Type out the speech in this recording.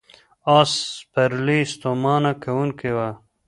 آس سپرلي ستومانه کوونکې وه.